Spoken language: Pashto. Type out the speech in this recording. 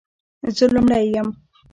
زه لومړۍ یم،